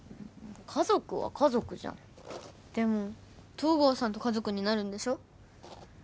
家族は家族じゃんでも東郷さんと家族になるんでしょ？